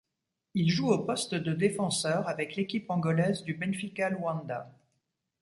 Il joue au poste de défenseur avec l'équipe angolaise du Benfica Luanda.